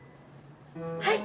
はい！